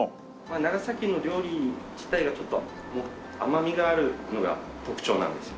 長崎の料理自体がちょっと甘みがあるのが特徴なんですよ。